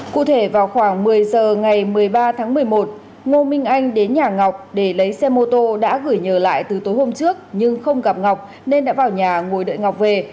cụ thể vào khoảng một mươi giờ ngày một mươi ba tháng một mươi một ngô minh anh đến nhà ngọc để lấy xe mô tô đã gửi nhờ lại từ tối hôm trước nhưng không gặp ngọc nên đã vào nhà ngồi đợi ngọc về